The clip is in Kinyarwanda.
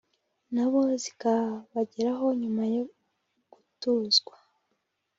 na bo zikabageraho nyuma yo gutuzwa